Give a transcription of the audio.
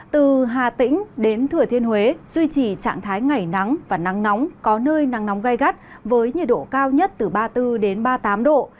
từ hà tĩnh đến thừa thiên huế duy trì trạng thái ngày nắng và nắng nóng có nơi nắng nóng gai gắt với nhiệt độ cao nhất từ ba mươi bốn ba mươi tám độ